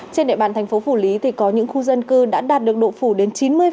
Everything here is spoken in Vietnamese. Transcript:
trên địa bàn thành phố phủ lý thì có những khu dân cư đã đạt được độ phủ đến chín mươi